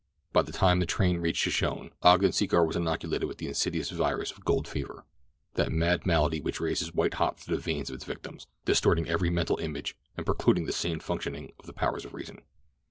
By the time the train reached Shoshone, Ogden Secor was inoculated with the insidious virus of gold fever—that mad malady which races white hot through the veins of its victims, distorting every mental image and precluding the sane functioning of the powers of reason.